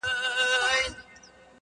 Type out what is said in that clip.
• ما د قتل نوم دنيا ته دئ راوړى -